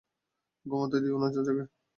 ঘুমাতে দেও না, চাচাকে।